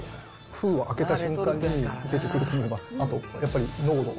封を開けた瞬間に出てくるにおい、あとやっぱり濃度。